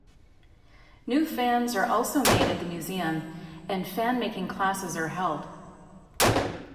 New fans are also made at the museum, and fan-making classes are held.